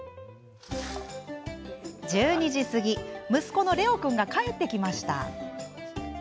１２時過ぎ息子のレオ君が帰ってきました。